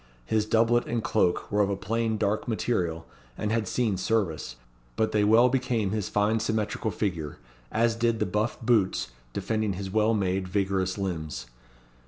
His doublet and cloak were of a plain dark material, and had seen service; but they well became his fine symmetrical figure, as did the buff boots defending his well made, vigorous limbs.